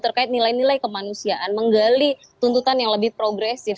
terkait nilai nilai kemanusiaan menggali tuntutan yang lebih progresif